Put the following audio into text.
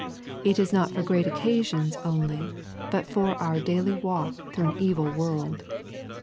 It is not for great occasions only, I'ut for our daily walk through an evil world.